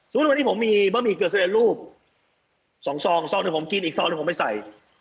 สมมุติวันนี้ผมมีบะหมี่เกลือศัฏร์รูป๒ซอง๒ซองหนึ่งผมกิน๑ซองหนึ่งผมไม่ใส่